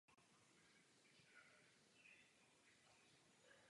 Vyznačuje se typickou chutí a vůní.